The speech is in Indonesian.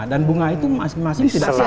dan bunga itu masing masing tidak sama